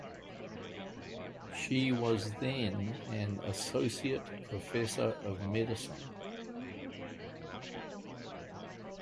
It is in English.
She was then an associate professor of medicine.